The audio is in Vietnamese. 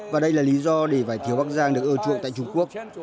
và đây là lý do để vải thiều bắc giang được ưa chuộng tại trung quốc